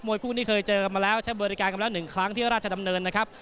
คู่นี้เคยเจอกันมาแล้วใช้บริการกันแล้ว๑ครั้งที่ราชดำเนินนะครับ